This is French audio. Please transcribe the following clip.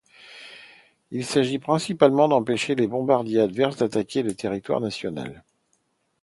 Il s'agit principalement d'empêcher les bombardiers adverses d'attaquer le territoire national.